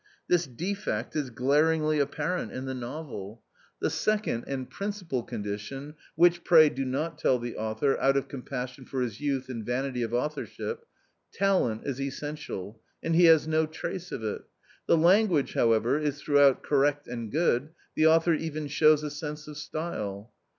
This defect is glaringly apparent in the novel. The second and i i i A COMMON STORY 165 principal condition — which, pray, do not tell the author, out of compassion for his youth and vanity of authorship — talent, is essential, and he has no trace of it. The language, however, is throughout correct and good ; the author even shows a sense of style."